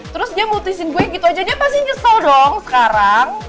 terus dia butuh istri gue gitu aja dia pasti nyesel dong sekarang